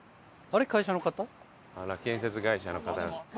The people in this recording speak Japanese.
あら建設会社の方。